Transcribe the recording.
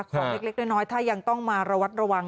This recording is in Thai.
ของเล็กน้อยถ้ายังต้องมาระวัดระวัง